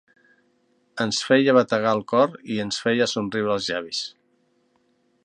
...ens feia bategar el cor i ens feia somriure els llavis.